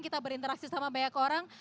kita berinteraksi sama banyak orang